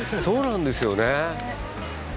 そうなんですよね。